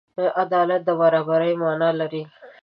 عدالت د برابري معنی لري.